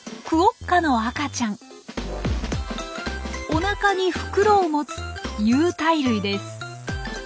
おなかに袋を持つ有袋類です。